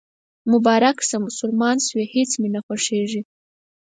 مبارک شه، مسلمان شوېهیڅ مې نه خوښیږي